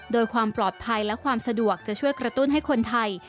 โดยความปลอดภัยและความสะดวกจะช่วยกระตุ้นให้คนไทย